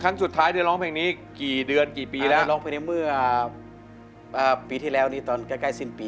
โทรดถอย่างศักดิ์